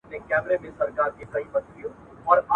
مشر په کوم ځای کي کښېني؟